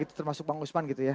itu termasuk bang usman gitu ya